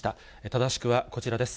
正しくはこちらです。